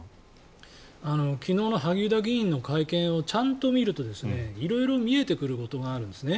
昨日の萩生田議員の会見をちゃんと見ると色々見えてくることがあるんです